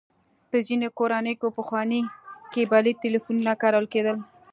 په ځينې کورونو کې پخواني کيبلي ټليفونونه کارول کېدل.